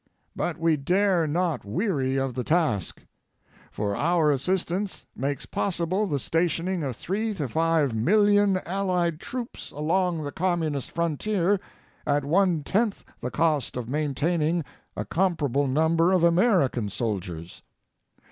But we dare not weary of the task. For our assistance makes possible the stationing of 3 5 million allied troops along the Communist frontier at one tenth the cost of maintaining a comparable number of American soldiers.